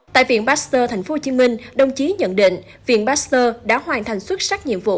tại viện pastor tp hcm đồng chí nhận định viện pastor đã hoàn thành xuất sắc nhiệm vụ